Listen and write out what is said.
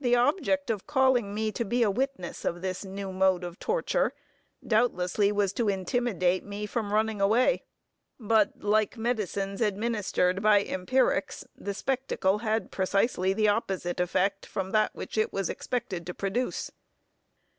The object of calling me to be a witness of this new mode of torture, doubtlessly, was to intimidate me from running away; but like medicines administered by empirics, the spectacle had precisely the opposite effect, from that which it was expected to produce.